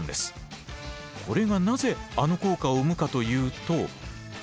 これがなぜあの効果を生むかというと。